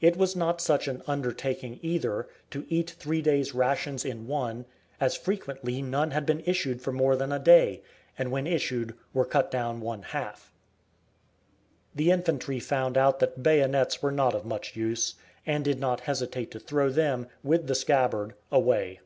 It was not such an undertaking either, to eat three days' rations in one, as frequently none had been issued for more than a day, and when issued were cut down one half. The infantry found out that bayonets were not of much use, and did not hesitate to throw them, with the scabbard, away.